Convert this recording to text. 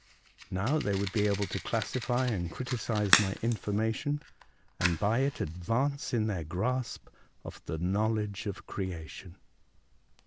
Now they would be able to classify and criticise my information, and by it advance in their grasp of the know ledge of creation."